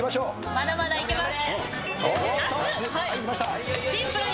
まだまだいけます。